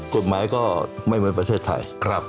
กฎหมายก็ไม่เหมือนประเทศไทย